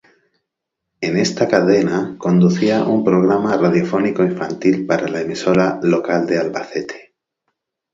En esta cadena, conducía un programa radiofónico infantil para la emisora local de Albacete.